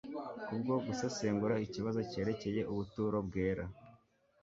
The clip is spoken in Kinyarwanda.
kubwo gusesengura ikibazo cyerekeye ubuturo bwera.